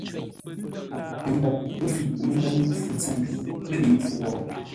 Tə mboʼ pə́ fəiʼ mələ mi mpfu ntsəmbi lə̂ mi mpfu wo?